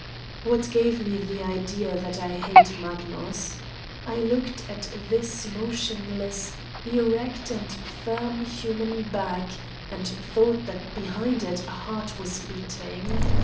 What gave me the idea that I hate Magnus ? I looked at this motionless, erect and firm human back and thought that behind it a heart was beat ing.